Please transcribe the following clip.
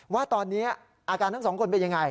ว่าตอนนี้อาการทั้งสองคนเป็นยังไง